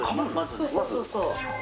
そうそうそうそう。